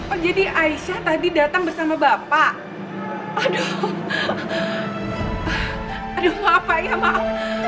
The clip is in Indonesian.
oh jadi aisyah tadi datang bersama bapak aduh maaf pak ya maaf